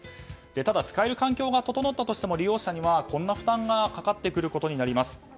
ただ、使える環境が整ったとしても利用者にはこんな負担がかかってくることになります。